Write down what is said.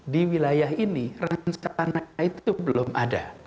di wilayah ini rencana itu belum ada